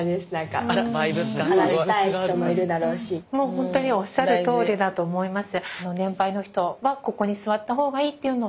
もうほんとにおっしゃるとおりだと思います。